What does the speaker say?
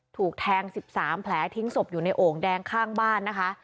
ถูกแทง๑๓แผลทิ้งศพอยู่ในโอ่งแดงข้างบ้านนะคะ